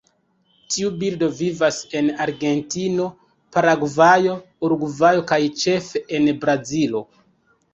Tiu birdo vivas en Argentino, Paragvajo, Urugvajo kaj ĉefe en Brazilo.